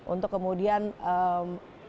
untuk kemudian menempatkan